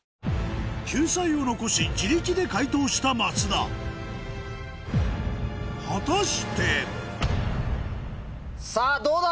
救済を残し自力で解答した松田果たしてさぁどうだ！